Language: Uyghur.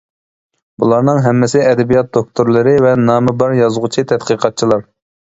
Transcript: بۇلارنىڭ ھەممىسى ئەدەبىيات دوكتورلىرى ۋە نامى بار يازغۇچى، تەتقىقاتچىلار.